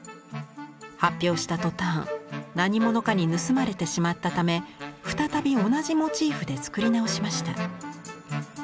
発表した途端何者かに盗まれてしまったため再び同じモチーフで作り直しました。